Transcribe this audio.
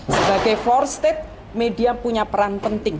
sebagai for state media punya peran penting